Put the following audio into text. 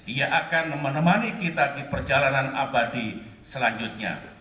ia akan menemani kita di perjalanan abadi selanjutnya